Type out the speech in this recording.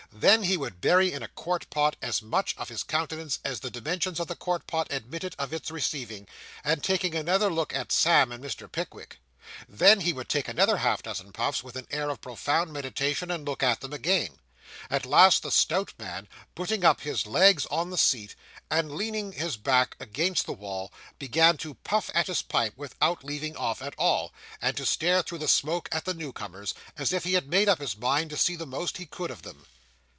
Then, he would bury in a quart pot, as much of his countenance as the dimensions of the quart pot admitted of its receiving, and take another look at Sam and Mr. Pickwick. Then he would take another half dozen puffs with an air of profound meditation and look at them again. At last the stout man, putting up his legs on the seat, and leaning his back against the wall, began to puff at his pipe without leaving off at all, and to stare through the smoke at the new comers, as if he had made up his mind to see the most he could of them.